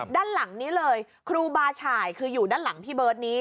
ด้านหลังนี้เลยครูบาฉ่ายคืออยู่ด้านหลังพี่เบิร์ตนี้